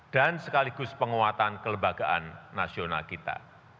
dan sekaligus penguatan kelembagaan nasional kita